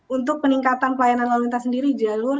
untuk peningkatan pelayanan lalu lintas sendiri jalur